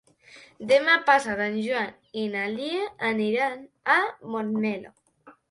Demà passat en Joan i na Lia aniran a Montmeló.